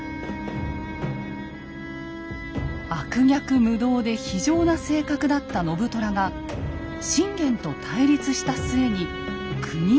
悪逆無道で非情な性格だった信虎が信玄と対立した末に国を追われた。